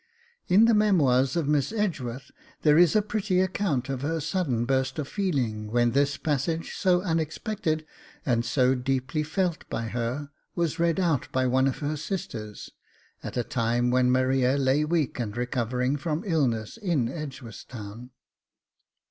In the MEMOIRS of Miss Edgeworth there is a pretty account of her sudden burst of feeling when this passage so unexpected, and so deeply felt by her, was read out by one of her sisters, at a time when Maria lay weak and recovering from illness in Edgeworthstown.